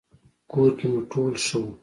کور کې مو ټول ښه وو؟